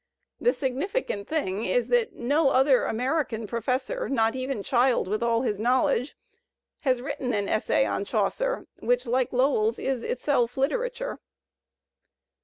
The significant thing is that no other American professor, not even Child with all his knowledge, has written an essay on Chaucer which like Lowell's is itself literature.